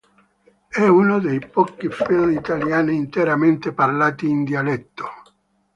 È uno dei pochi film italiani interamente parlati in dialetto.